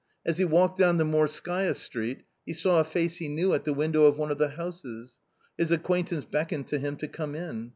As he walked down the Morskaya Street, he saw a face he knew at the window of one of the houses. His acquaintance beckoned to him to come in.